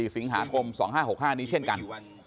๔สิงหาคม๒๕๖๕นี้เช่นกัน